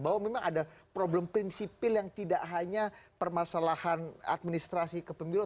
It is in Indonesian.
bahwa memang ada problem prinsipil yang tidak hanya permasalahan administrasi ke pemilu